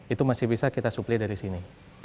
itu masih bisa kita suplai dari sini